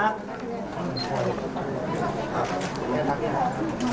พร้อมแล้วเลยค่ะ